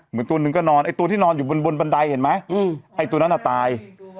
ตัวหนึ่งก็นอนไอ้ตัวที่นอนอยู่บนบันไดเห็นไหมไอ้ตัวนั้นน่ะตาย